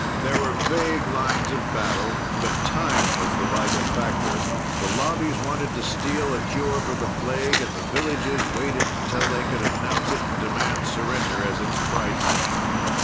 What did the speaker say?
There were vague lines of battle, but time was the vital factor. The Lobbies waited to steal a cure for the plague and the villages waited until they could announce it and demand surrender as its price.